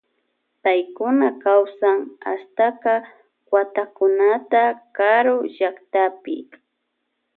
Paykuna kawsan ashtaka watakunata karu llaktapi.